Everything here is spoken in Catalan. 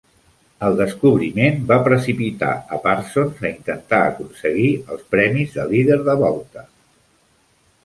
El descobriment va precipitar a Parsons a intentar aconseguir els premis de líder de volta.